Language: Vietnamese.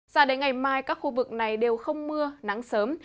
sao đến ngày mai các khu vực này đều không mưa nắng sớm